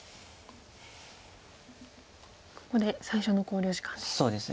ここで最初の考慮時間です。